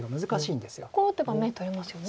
ここ打てば眼取れますよね。